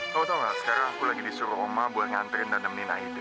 kamu tahu nggak sekarang aku lagi disuruh rumah buat nganterin dan nemenin aida